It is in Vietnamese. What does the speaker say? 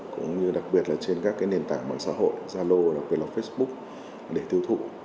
cũng như đặc biệt là trên các nền tảng bằng xã hội zalo facebook để tiêu thụ